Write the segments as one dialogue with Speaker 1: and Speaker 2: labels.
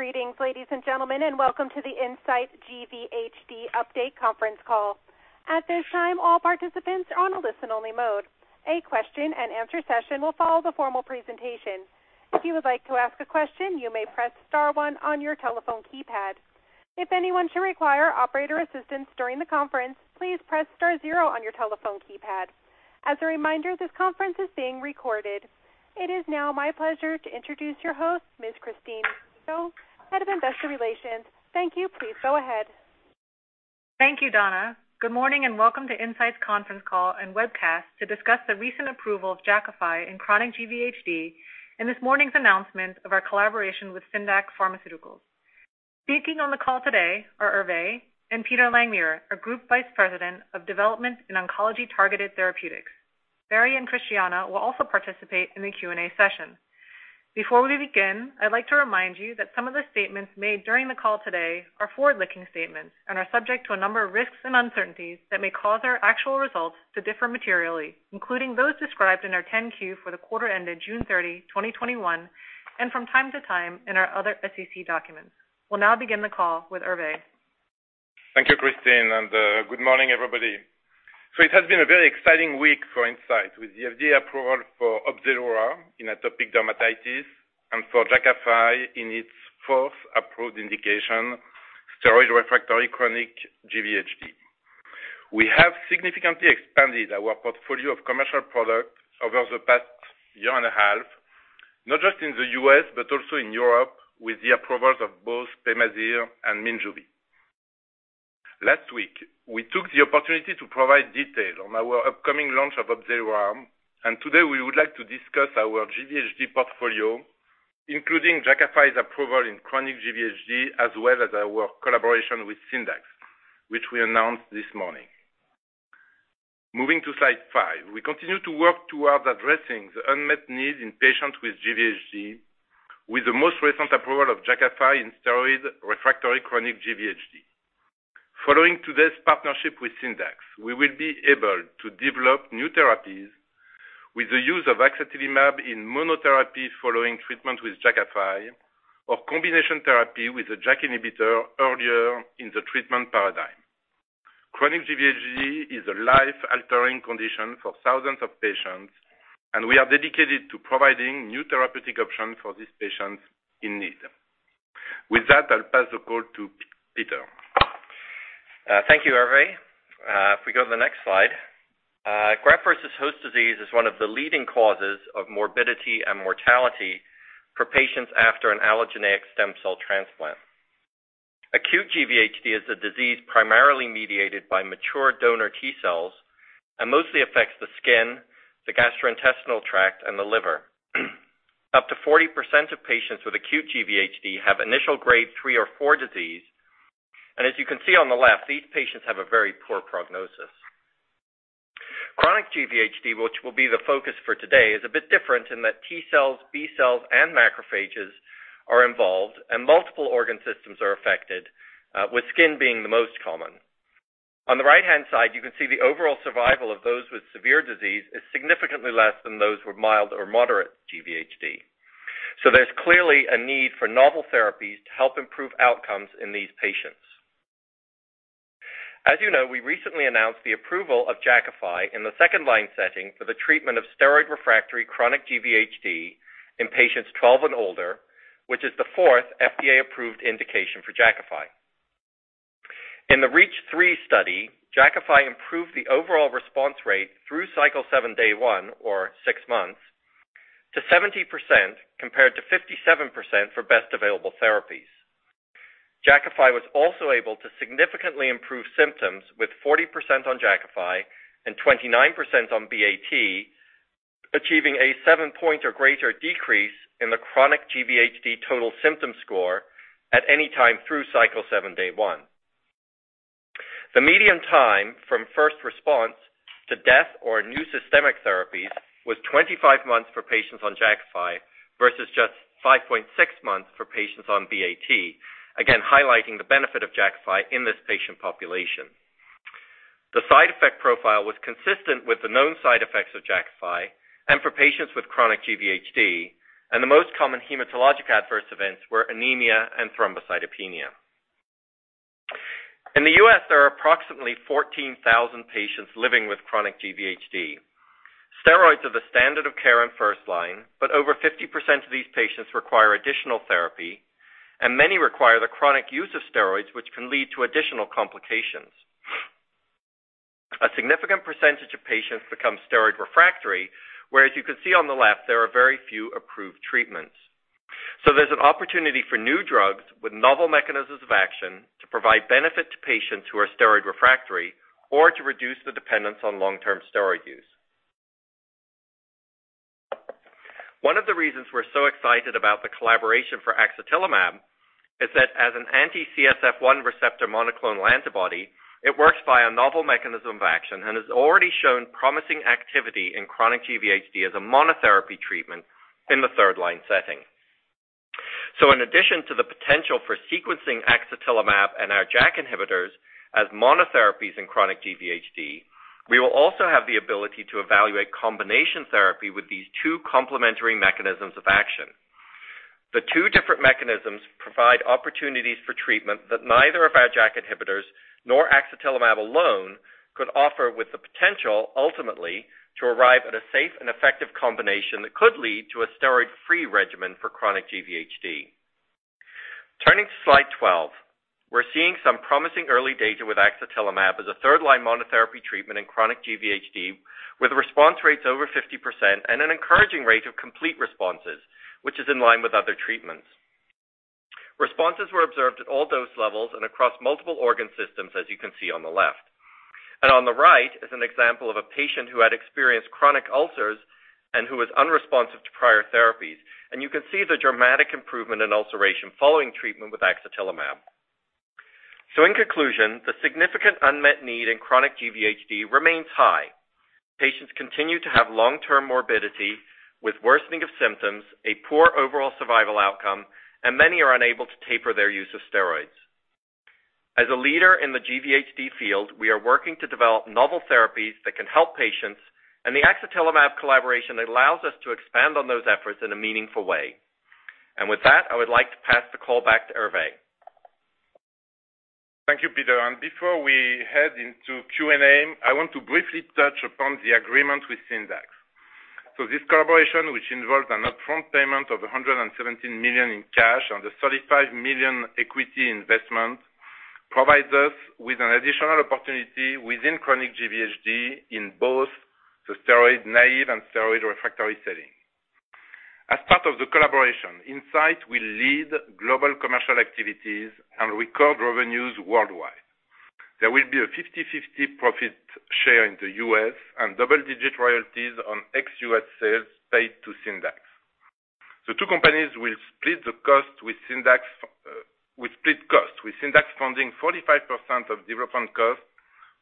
Speaker 1: Greetings, ladies and gentlemen, and welcome to the Incyte GVHD Update Conference Call. At this time all participants are in a listen-only mode. A question and asnwer session will follow the formal presentation. If you would like to ask a question, you may press star one on your telephone keypad. If anyone should require operator assistance during the conference, please press star zero on your telephone keypad. As a reminder this confrerence is being recorded. It is now my pleasure to introduce your host, Ms. Christine Russo, Head of Investor Relations. Thank you. Please go ahead.
Speaker 2: Thank you, Donna. Good morning and welcome to Incyte's conference call and webcast to discuss the recent approval of Jakafi in chronic GVHD and this morning's announcement of our collaboration with Syndax Pharmaceuticals. Speaking on the call today are Hervé and Peter Langmuir, our Group Vice President of Development in Oncology Targeted Therapeutics. Barry and Christiana will also participate in the Q&A session. Before we begin, I'd like to remind you that some of the statements made during the call today are forward-looking statements and are subject to a number of risks and uncertainties that may cause our actual results to differ materially, including those described in our 10-Q for the quarter ended June 30, 2021, and from time to time in our other SEC documents. We'll now begin the call with Hervé.
Speaker 3: Thank you, Christine, and good morning, everybody. It has been a very exciting week for Incyte with the FDA approval for OPZELURA in atopic dermatitis and for Jakafi in its fourth approved indication, steroid-refractory chronic GVHD. We have significantly expanded our portfolio of commercial products over the past year and a half, not just in the U.S., but also in Europe with the approvals of both Pemazyre and MONJUVI. Last week, we took the opportunity to provide detail on our upcoming launch of OPZELURA, and today we would like to discuss our GVHD portfolio, including Jakafi's approval in chronic GVHD as well as our collaboration with Syndax, which we announced this morning. Moving to slide five. We continue to work towards addressing the unmet need in patients with GVHD with the most recent approval of Jakafi in steroid-refractory chronic GVHD. Following today's partnership with Syndax, we will be able to develop new therapies with the use of axatilimab in monotherapy following treatment with Jakafi or combination therapy with a JAK inhibitor earlier in the treatment paradigm. Chronic GVHD is a life-altering condition for thousands of patients, and we are dedicated to providing new therapeutic options for these patients in need. With that, I'll pass the call to Peter.
Speaker 4: Thank you, Hervé. We go to the next slide. Graft versus host disease is one of the leading causes of morbidity and mortality for patients after an allogeneic stem cell transplant. Acute GVHD is a disease primarily mediated by mature donor T cells and mostly affects the skin, the gastrointestinal tract, and the liver. Up to 40% of patients with acute GVHD have initial grade three or four disease. As you can see on the left, these patients have a very poor prognosis. Chronic GVHD, which will be the focus for today, is a bit different in that T cells, B cells, and macrophages are involved, and multiple organ systems are affected, with skin being the most common. On the right-hand side, you can see the overall survival of those with severe disease is significantly less than those with mild or moderate GVHD. There's clearly a need for novel therapies to help improve outcomes in these patients. As you know, we recently announced the approval of Jakafi in the second-line setting for the treatment of steroid-refractory chronic GVHD in patients 12 and older, which is the fourth FDA-approved indication for Jakafi. In the REACH3 study, Jakafi improved the overall response rate through cycle seven, day one, or six months, to 70%, compared to 57% for best available therapies. Jakafi was also able to significantly improve symptoms with 40% on Jakafi and 29% on BAT, achieving a seven-point or greater decrease in the chronic GVHD total symptom score at any time through cycle seven, day one. The median time from first response to death or new systemic therapies was 25 months for patients on Jakafi, versus just 5.6 months for patients on BAT, again highlighting the benefit of Jakafi in this patient population. The side effect profile was consistent with the known side effects of Jakafi and for patients with chronic GVHD, and the most common hematologic adverse events were anemia and thrombocytopenia. In the U.S., there are approximately 14,000 patients living with chronic GVHD. Steroids are the standard of care in first line, but over 50% of these patients require additional therapy, and many require the chronic use of steroids, which can lead to additional complications. A significant percentage of patients become steroid-refractory, where, as you can see on the left, there are very few approved treatments. There's an opportunity for new drugs with novel mechanisms of action to provide benefit to patients who are steroid-refractory or to reduce the dependence on long-term steroid use. One of the reasons we're so excited about the collaboration for axatilimab is that as an anti-CSF1 receptor monoclonal antibody, it works by a novel mechanism of action and has already shown promising activity in chronic GVHD as a monotherapy treatment in the third-line setting. In addition to the potential for sequencing axatilimab and our JAK inhibitors as monotherapies in chronic GVHD, we will also have the ability to evaluate combination therapy with these two complementary mechanisms of action. The two different mechanisms provide opportunities for treatment that neither of our JAK inhibitors nor axatilimab alone could offer, with the potential, ultimately, to arrive at a safe and effective combination that could lead to a steroid-free regimen for chronic GVHD. Turning to slide 12, we're seeing some promising early data with axatilimab as a third-line monotherapy treatment in chronic GVHD, with response rates over 50% and an encouraging rate of complete responses, which is in line with other treatments. Responses were observed at all dose levels and across multiple organ systems, as you can see on the left. On the right is an example of a patient who had experienced chronic ulcers and who was unresponsive to prior therapies, and you can see the dramatic improvement in ulceration following treatment with axatilimab. In conclusion, the significant unmet need in chronic GVHD remains high. Patients continue to have long-term morbidity with worsening of symptoms, a poor overall survival outcome, and many are unable to taper their use of steroids. As a leader in the GVHD field, we are working to develop novel therapies that can help patients, and the axatilimab collaboration allows us to expand on those efforts in a meaningful way. With that, I would like to pass the call back to Hervé.
Speaker 3: Thank you, Peter. Before we head into Q&A, I want to briefly touch upon the agreement with Syndax. This collaboration, which involves an upfront payment of $117 million in cash and a $35 million equity investment, provides us with an additional opportunity within chronic GVHD in both the steroid-naive and steroid-refractory setting. As part of the collaboration, Incyte will lead global commercial activities and record revenues worldwide. There will be a 50/50 profit share in the U.S. and double-digit royalties on ex-U.S. sales paid to Syndax. The two companies will split the cost, with Syndax funding 45% of development costs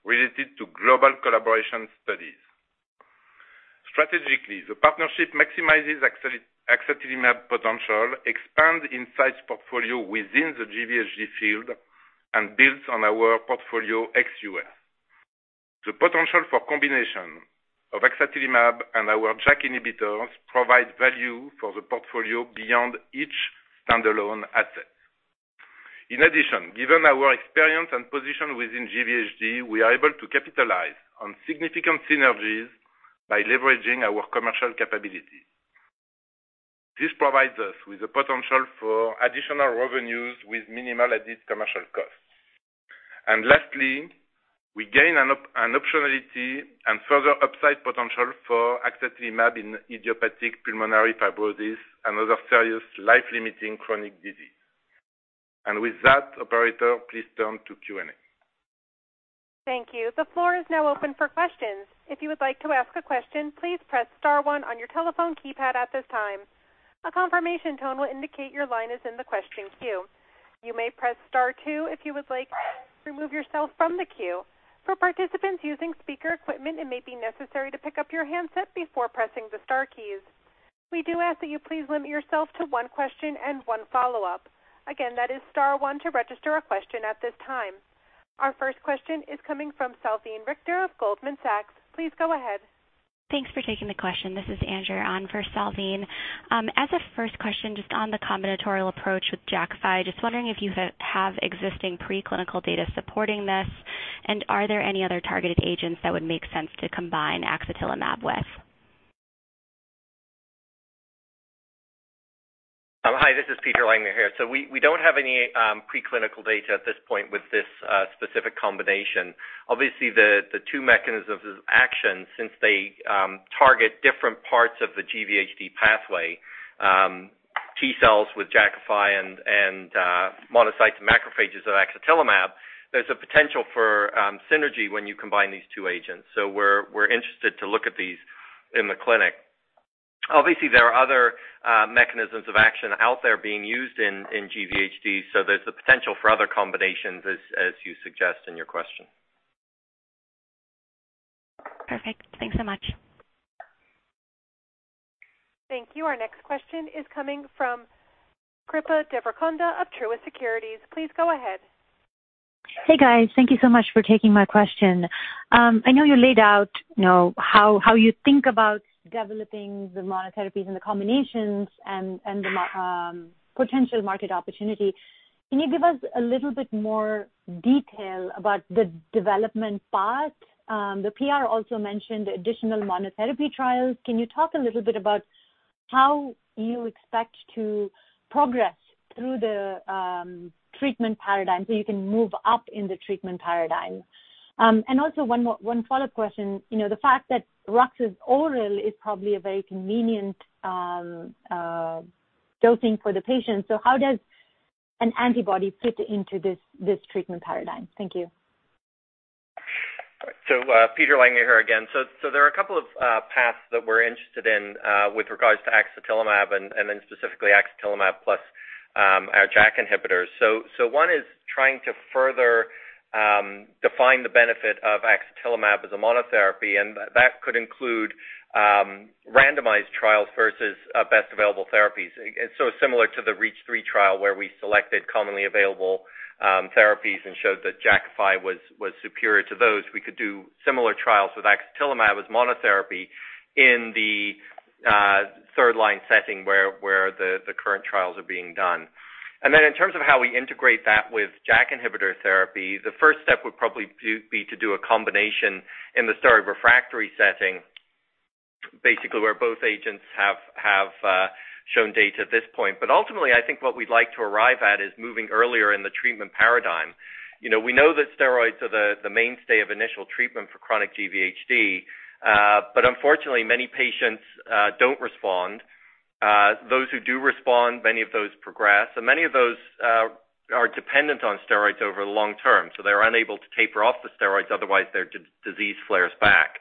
Speaker 3: related to global collaboration studies. Strategically, the partnership maximizes axatilimab potential, expands Incyte's portfolio within the GVHD field, and builds on our portfolio ex-U.S. The potential for combination of axatilimab and our JAK inhibitors provides value for the portfolio beyond each standalone asset. In addition, given our experience and position within GVHD, we are able to capitalize on significant synergies by leveraging our commercial capabilities. This provides us with the potential for additional revenues with minimal added commercial costs. Lastly, we gain an optionality and further upside potential for axatilimab in idiopathic pulmonary fibrosis and other serious life-limiting chronic disease. With that, operator, please turn to Q&A.
Speaker 1: Thank you. The floor is now open for questions. If you would like to ask a question, please press star one on your telephone keypad at this time. A confirmation tone will indicate your line is in the question queue. You may press star two if you would like to remove yourself from the queue. For participants using speaker equipment, it may be necessary to pick up your handset before pressing the star keys. We do ask that you please limit yourself to one question and one follow-up. Again, that is star one to register a question at this time. Our first question is coming from Salveen Richter of Goldman Sachs. Please go ahead.
Speaker 5: Thanks for taking the question. This is Andrea on for Salveen. As a first question, just on the combinatorial approach with Jakafi, just wondering if you have existing preclinical data supporting this, and are there any other targeted agents that would make sense to combine axatilimab with?
Speaker 4: Hi, this is Peter Langmuir here. We don't have any preclinical data at this point with this specific combination. Obviously, the two mechanisms of action, since they target different parts of the GVHD pathway, T cells with Jakafi and monocytes and macrophages of axatilimab, there's a potential for synergy when you combine these two agents. We're interested to look at these in the clinic. Obviously, there are other mechanisms of action out there being used in GVHD, so there's the potential for other combinations, as you suggest in your question.
Speaker 5: Perfect. Thanks so much.
Speaker 1: Thank you. Our next question is coming from Kripa Devarakonda of Truist Securities. Please go ahead.
Speaker 6: Hey, guys. Thank you so much for taking my question. I know you laid out how you think about developing the monotherapies and the combinations and the potential market opportunity. Can you give us a little bit more detail about the development part? The PR also mentioned additional monotherapy trials. Can you talk a little bit about how you expect to progress through the treatment paradigm so you can move up in the treatment paradigm? Also one follow-up question. The fact that ruxolitinib is oral is probably a very convenient dosing for the patient. How does an antibody fit into this treatment paradigm? Thank you.
Speaker 4: Peter Langmuir here again. There are a couple of paths that we're interested in with regards to axatilimab and then specifically axatilimab plus our JAK inhibitors. One is trying to further define the benefit of axatilimab as a monotherapy, and that could include randomized trials versus best available therapies. Similar to the REACH3 trial, where we selected commonly available therapies and showed that Jakafi was superior to those. We could do similar trials with axatilimab as monotherapy in the third-line setting where the current trials are being done. In terms of how we integrate that with JAK inhibitor therapy, the first step would probably be to do a combination in the steroid-refractory setting, basically, where both agents have shown data at this point. Ultimately, I think what we'd like to arrive at is moving earlier in the treatment paradigm. We know that steroids are the mainstay of initial treatment for chronic GVHD. Unfortunately, many patients don't respond. Those who do respond, many of those progress. Many of those are dependent on steroids over the long term. They're unable to taper off the steroids, otherwise their disease flares back.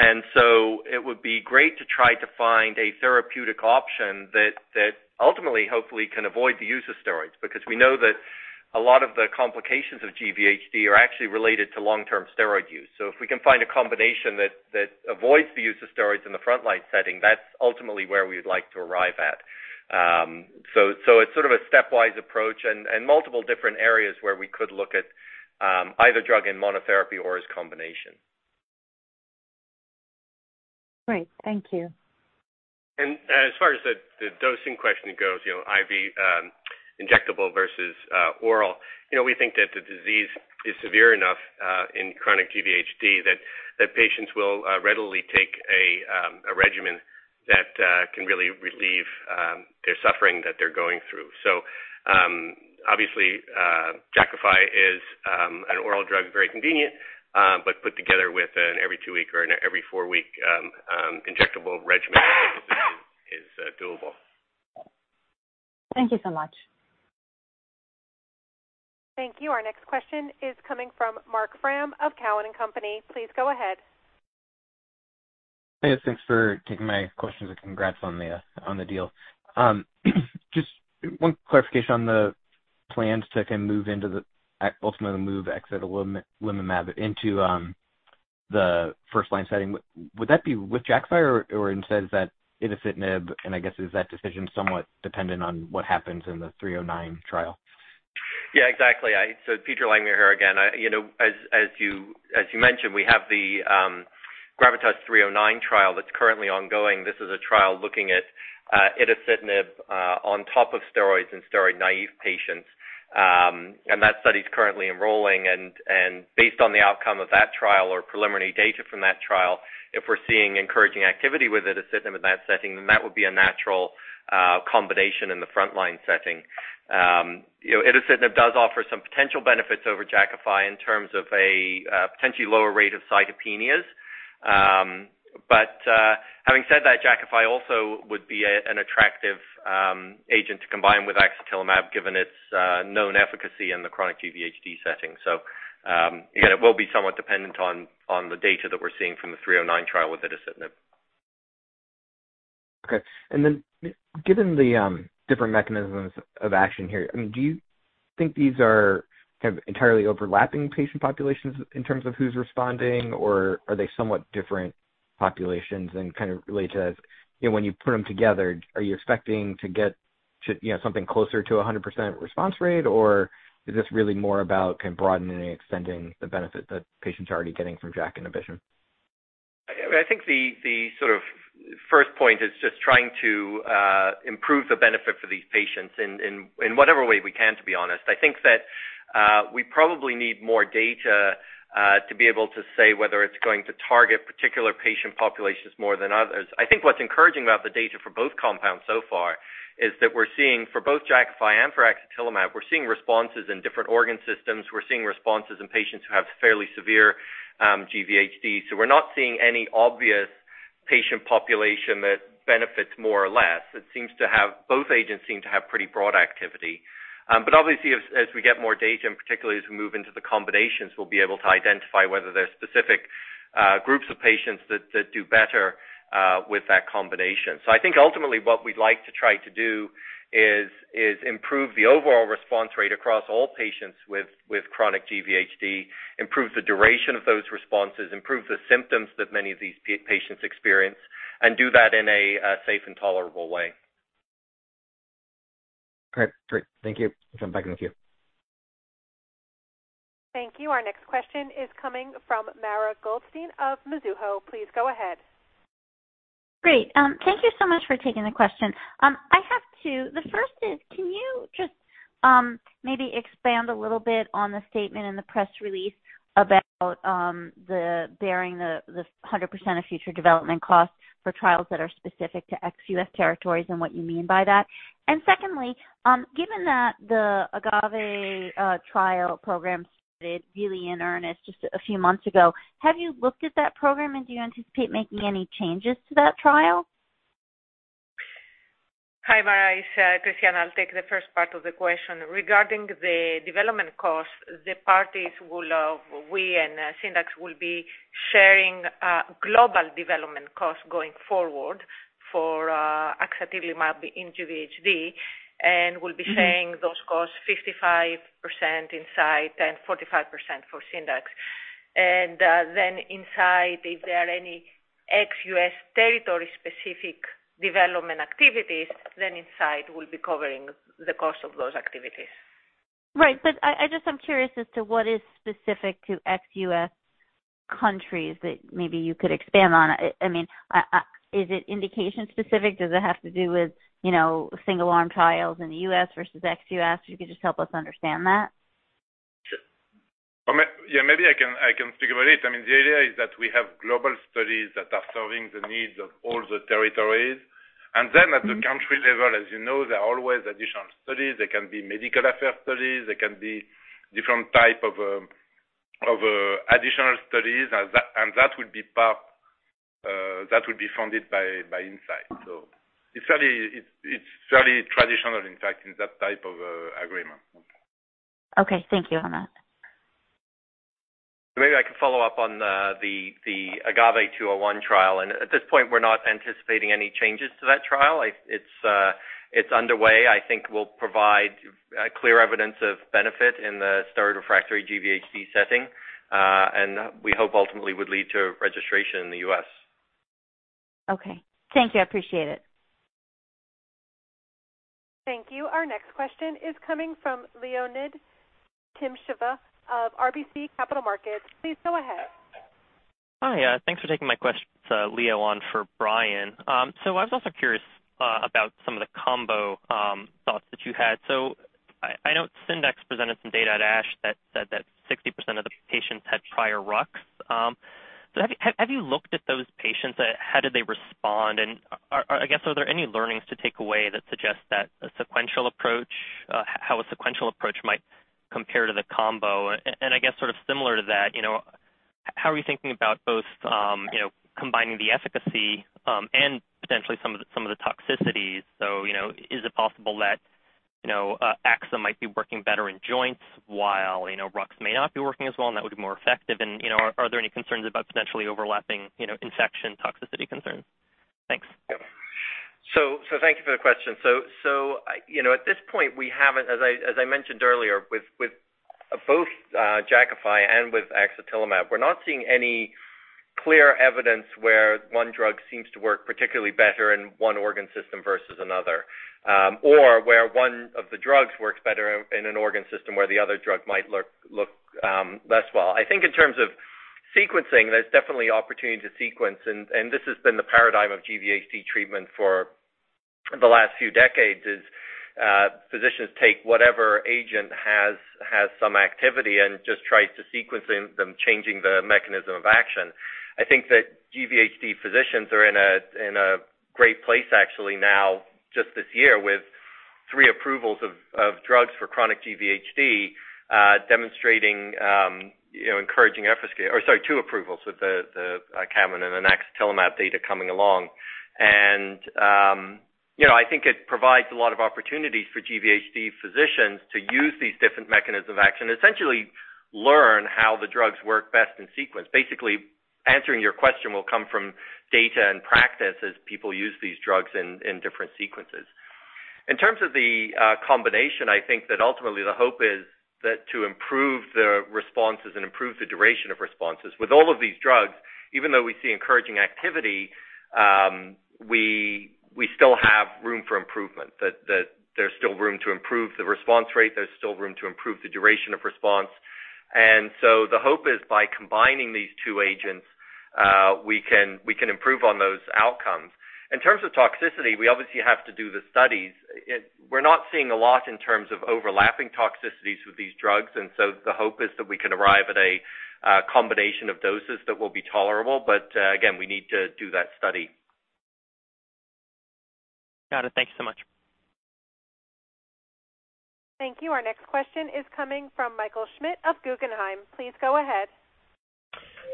Speaker 4: It would be great to try to find a therapeutic option that ultimately, hopefully, can avoid the use of steroids, because we know that a lot of the complications of GVHD are actually related to long-term steroid use. If we can find a combination that avoids the use of steroids in the frontline setting, that's ultimately where we would like to arrive at. It's sort of a stepwise approach and multiple different areas where we could look at either drug in monotherapy or as combination.
Speaker 6: Great. Thank you.
Speaker 4: As far as the dosing question goes, IV injectable versus oral. We think that the disease is severe enough in chronic GVHD that patients will readily take a regimen that can really relieve their suffering that they're going through. Obviously, Jakafi is an oral drug, very convenient, but put together with an every two-week or an every four-week injectable regimen is doable.
Speaker 6: Thank you so much.
Speaker 1: Thank you. Our next question is coming from Marc Frahm of Cowen and Company. Please go ahead.
Speaker 7: Yes, thanks for taking my questions and congrats on the deal. Just one clarification on the plans to move axatilimab into the first-line setting. Would that be with Jakafi or instead is that itacitinib, and I guess is that decision somewhat dependent on what happens in the 309 trial?
Speaker 4: Yeah, exactly. It's Peter Langmuir here again. As you mentioned, we have the GRAVITAS-309 trial that's currently ongoing. This is a trial looking at itacitinib on top of steroids in steroid-naive patients. That study's currently enrolling, and based on the outcome of that trial or preliminary data from that trial, if we're seeing encouraging activity with itacitinib in that setting, then that would be a natural combination in the frontline setting. itacitinib does offer some potential benefits over Jakafi in terms of a potentially lower rate of cytopenias. Having said that, Jakafi also would be an attractive agent to combine with axatilimab, given its known efficacy in the chronic GVHD setting. Again, it will be somewhat dependent on the data that we're seeing from the 309 trial with itacitinib.
Speaker 7: Okay. Given the different mechanisms of action here, do you think these are entirely overlapping patient populations in terms of who's responding, or are they somewhat different populations and kind of related as when you put them together, are you expecting to get something closer to 100% response rate, or is this really more about broadening and extending the benefit that patients are already getting from JAK inhibition?
Speaker 4: I think the sort of first point is just trying to improve the benefit for these patients in whatever way we can, to be honest. I think that we probably need more data to be able to say whether it's going to target particular patient populations more than others. I think what's encouraging about the data for both compounds so far is that we're seeing for both Jakafi and for axatilimab, we're seeing responses in different organ systems. We're seeing responses in patients who have fairly severe GVHD. We're not seeing any obvious patient population that benefits more or less. Both agents seem to have pretty broad activity. Obviously, as we get more data, and particularly as we move into the combinations, we'll be able to identify whether there are specific groups of patients that do better with that combination. I think ultimately what we'd like to try to do is improve the overall response rate across all patients with chronic GVHD, improve the duration of those responses, improve the symptoms that many of these patients experience, and do that in a safe and tolerable way.
Speaker 7: Great. Thank you. I'll come back in a queue.
Speaker 1: Thank you. Our next question is coming from Mara Goldstein of Mizuho. Please go ahead.
Speaker 8: Great. Thank you so much for taking the question. I have two. The first is, can you just maybe expand a little bit on the statement in the press release about bearing the 100% of future development costs for trials that are specific to ex-U.S. territories and what you mean by that? Secondly, given that the AGAVE trial program started really in earnest just a few months ago, have you looked at that program, and do you anticipate making any changes to that trial?
Speaker 9: Hi, Mara. It's Christiana. I'll take the first part of the question. Regarding the development cost, the parties, we and Syndax, will be sharing global development costs going forward for axatilimab in GVHD, and we'll be sharing those costs 55% Incyte and 45% for Syndax. Incyte, if there are any ex-U.S. territory specific development activities, then Incyte will be covering the cost of those activities.
Speaker 8: Right. I'm curious as to what is specific to ex-U.S. countries that maybe you could expand on. Is it indication specific? Does it have to do with single-arm trials in the U.S. versus ex-U.S.? If you could just help us understand that.
Speaker 3: Sure. Maybe I can speak about it. The idea is that we have global studies that are serving the needs of all the territories. At the country level, as you know, there are always additional studies. They can be medical affairs studies, they can be different type of additional studies, and that would be funded by Incyte. It's fairly traditional, in fact, in that type of agreement.
Speaker 8: Okay. Thank you, Hervé.
Speaker 4: Maybe I can follow-up on the AGAVE-201 trial. At this point, we're not anticipating any changes to that trial. It's underway. I think we'll provide clear evidence of benefit in the steroid-refractory GVHD setting, and we hope ultimately would lead to registration in the U.S.
Speaker 8: Okay. Thank you. I appreciate it.
Speaker 1: Thank you. Our next question is coming from Leonid Timashev of RBC Capital Markets. Please go ahead.
Speaker 10: Hi. Thanks for taking my questions. It's Leo on for Brian. I was also curious about some of the combo thoughts that you had. I note Syndax presented some data at ASH that said that 60% of the patients had prior RUX. Have you looked at those patients? How did they respond, and are there any learnings to take away that suggest that a sequential approach, how a sequential approach might compare to the combo? I guess sort of similar to that, how are you thinking about both combining the efficacy, and potentially some of the toxicities? Is it possible that axa might be working better in joints while RUX may not be working as well, and that would be more effective? Are there any concerns about potentially overlapping infection toxicity concerns? Thanks.
Speaker 4: Thank you for the question. At this point we haven't, as I mentioned earlier, with both Jakafi and with axatilimab, we're not seeing any clear evidence where one drug seems to work particularly better in one organ system versus another. Where one of the drugs works better in an organ system where the other drug might look less well. I think in terms of sequencing, there's definitely opportunity to sequence, and this has been the paradigm of GVHD treatment for the last few decades, is physicians take whatever agent has some activity and just tries to sequencing them, changing the mechanism of action. I think that GVHD physicians are in a great place actually now, just this year, with three approvals of drugs for chronic GVHD, demonstrating encouraging efficacy. Sorry, two approvals with the Kadmon and the axatilimab data coming along. I think it provides a lot of opportunities for GVHD physicians to use these different mechanism of action, essentially learn how the drugs work best in sequence. Basically, answering your question will come from data and practice as people use these drugs in different sequences. In terms of the combination, I think that ultimately the hope is that to improve the responses and improve the duration of responses. With all of these drugs, even though we see encouraging activity, we still have room for improvement. There's still room to improve the response rate, there's still room to improve the duration of response. The hope is by combining these two agents, we can improve on those outcomes. In terms of toxicity, we obviously have to do the studies. We're not seeing a lot in terms of overlapping toxicities with these drugs. The hope is that we can arrive at a combination of doses that will be tolerable. Again, we need to do that study.
Speaker 10: Got it. Thank you so much.
Speaker 1: Thank you. Our next question is coming from Michael Schmidt of Guggenheim. Please go ahead.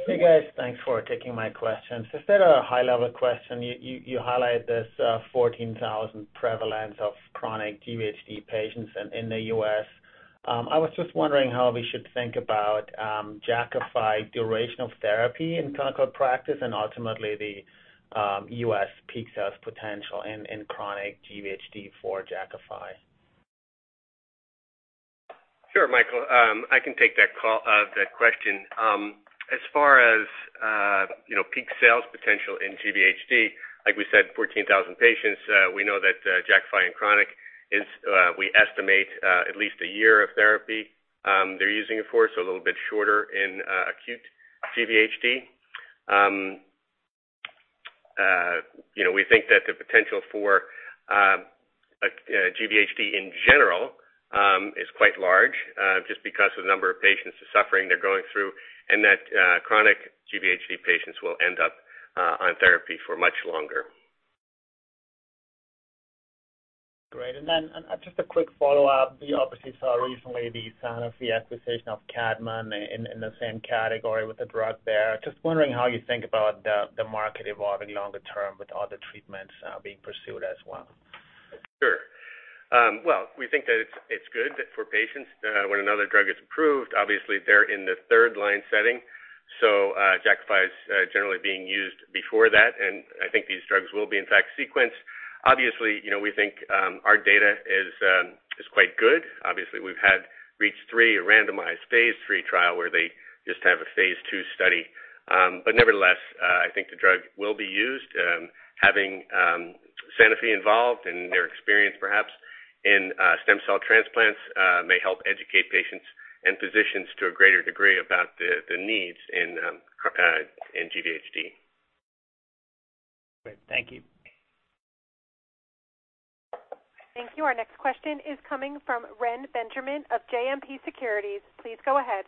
Speaker 11: Hey, guys. Thanks for taking my questions. Just a high-level question. You highlight this 14,000 prevalence of chronic GVHD patients in the U.S. I was just wondering how we should think about Jakafi durational therapy in clinical practice and ultimately the U.S. peak sales potential in chronic GVHD for Jakafi.
Speaker 12: Sure, Michael. I can take that question. As far as peak sales potential in GVHD, like we said, 14,000 patients. We know that Jakafi in chronic is, we estimate, at least a year of therapy they're using it for, so a little bit shorter in acute GVHD. We think that the potential for GVHD in general is quite large, just because of the number of patients suffering, they're going through, and that chronic GVHD patients will end up on therapy for much longer.
Speaker 11: Great. Then just a quick follow-up. We obviously saw recently the Sanofi acquisition of Kadmon in the same category with a drug there. Just wondering how you think about the market evolving longer term with other treatments being pursued as well?
Speaker 12: Sure. Well, we think that it's good for patients when another drug is approved. They're in the third line setting, so Jakafi is generally being used before that, and I think these drugs will be, in fact, sequenced. We think our data is quite good. We've had REACH3, a randomized phase III trial where they just have a phase II study. Nevertheless, I think the drug will be used. Sanofi involved and their experience perhaps in stem cell transplants may help educate patients and physicians to a greater degree about the needs in GVHD.
Speaker 11: Great. Thank you.
Speaker 1: Thank you. Our next question is coming from Reni Benjamin of JMP Securities. Please go ahead.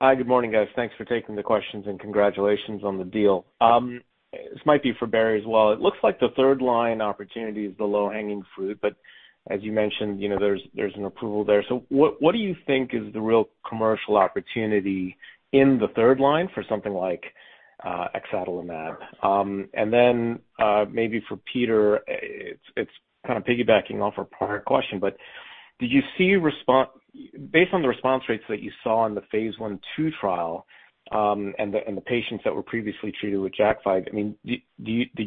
Speaker 13: Hi. Good morning, guys. Thanks for taking the questions and congratulations on the deal. This might be for Barry as well. It looks like the third-line opportunity is the low-hanging fruit, but as you mentioned, there's an approval there. What do you think is the real commercial opportunity in the third-line for something like axatilimab? Then maybe for Peter, it's kind of piggybacking off a prior question, but based on the response rates that you saw in the phase I/II trial, and the patients that were previously treated with Jakafi, did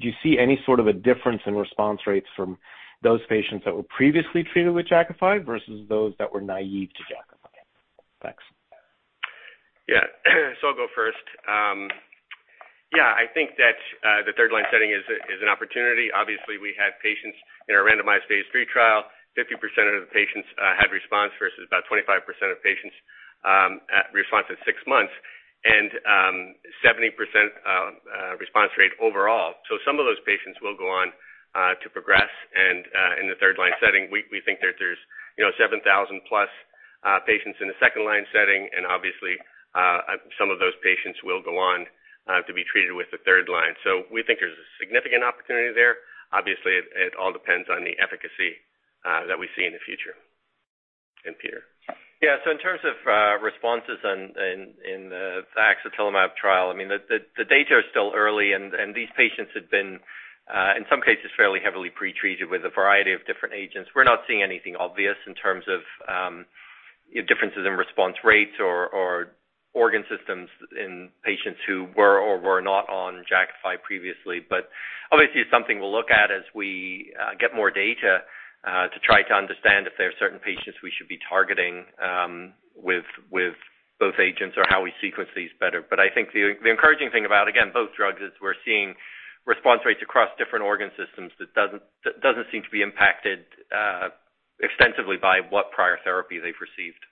Speaker 13: you see any sort of a difference in response rates from those patients that were previously treated with Jakafi versus those that were naive to Jakafi? Thanks.
Speaker 12: Yeah, so I'll go first. Yeah, I think that the third-line setting is an opportunity. Obviously, we have patients in our randomized phase III trial. 50% of the patients had response versus about 25% of the patients that respond at six months and 70% response rate overall. So some of those patients will go on to progress and in the third-line setting, we think that there's, you know, 7,000+ patients in the second-line setting, and obviously, some of those patients will go on to be treated with the third-line. So we think there's a significant opportunity there. Obviously, it all depends on the efficacy that we see in the future. And Peter.
Speaker 4: In terms of responses in the axatilimab trial, the data is still early, and these patients had been, in some cases, fairly heavily pre-treated with a variety of different agents. We're not seeing anything obvious in terms of differences in response rates or organ systems in patients who were or were not on Jakafi previously. Obviously, it's something we'll look at as we get more data to try to understand if there are certain patients we should be targeting with both agents or how we sequence these better. I think the encouraging thing about, again, both drugs is we're seeing response rates across different organ systems that doesn't seem to be impacted extensively by what prior therapy they've received.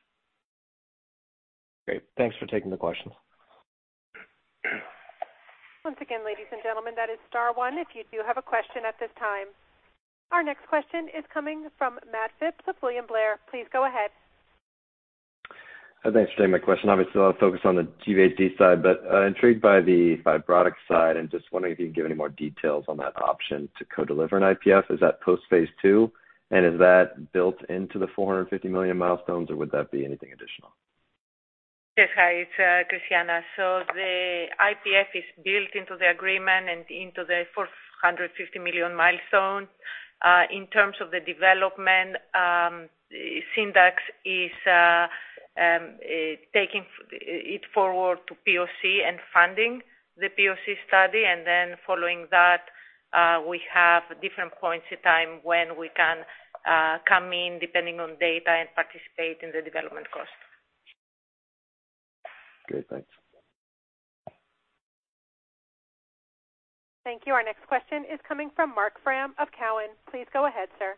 Speaker 13: Great. Thanks for taking the questions.
Speaker 1: Once again, ladies and gentlemen, that is star one if you do have a question at this time. Our next question is coming from Matt Phipps with William Blair. Please go ahead.
Speaker 14: Thanks for taking my question. Obviously, a lot of focus on the GVHD side, but I'm intrigued by the fibrotic side and just wondering if you can give any more details on that option to co-deliver an IPF. Is that post phase II, and is that built into the $450 million milestones, or would that be anything additional?
Speaker 9: Yes. Hi, it's Christiana. The IPF is built into the agreement and into the $450 million milestone. In terms of the development, Syndax is taking it forward to POC and funding the POC study, and then following that, we have different points in time when we can come in depending on data and participate in the development cost.
Speaker 14: Great. Thanks.
Speaker 1: Thank you. Our next question is coming from Marc Frahm of Cowen. Please go ahead, sir.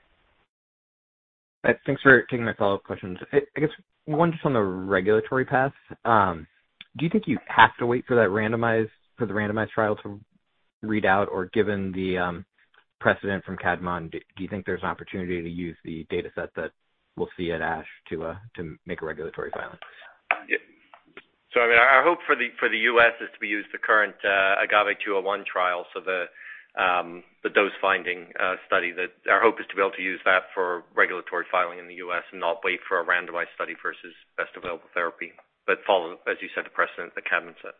Speaker 7: Thanks for taking my follow-up questions. I guess one just on the regulatory path. Do you think you have to wait for the randomized trial to read out, or given the precedent from Kadmon, do you think there's an opportunity to use the dataset that we'll see at ASH to make a regulatory filing?
Speaker 4: Our hope for the U.S. is to use the current AGAVE-201 trial, the dose-finding study. Our hope is to be able to use that for regulatory filing in the U.S. and not wait for a randomized study versus best available therapy. Follow, as you said, the precedent that Kadmon set.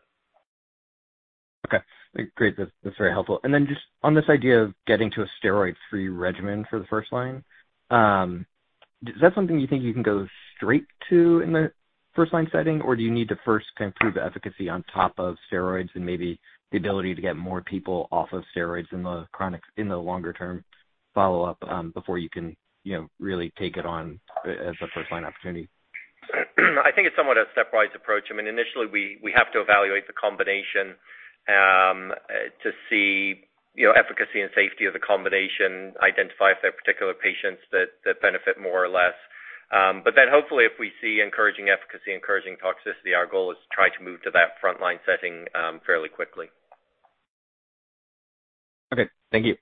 Speaker 7: Okay. Great. That's very helpful. Just on this idea of getting to a steroid-free regimen for the first-line, is that something you think you can go straight to in the first-line setting, or do you need to first kind of prove efficacy on top of steroids and maybe the ability to get more people off of steroids in the longer-term follow-up before you can really take it on as a first-line opportunity?
Speaker 4: I think it's somewhat a stepwise approach. Initially, we have to evaluate the combination to see efficacy and safety of the combination, identify if there are particular patients that benefit more or less. Hopefully, if we see encouraging efficacy, encouraging toxicity, our goal is to try to move to that frontline setting fairly quickly.
Speaker 7: Okay. Thank you.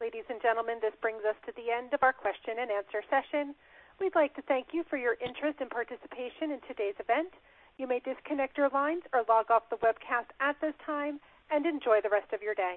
Speaker 1: Ladies and gentlemen, this brings us to the end of our question-and-answer session. We would like to thank you for your interest and participation in today's event. You may disconnect your lines or log off the webcast at this time, and enjoy the rest of your day.